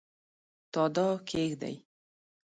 تاداو کښېږدي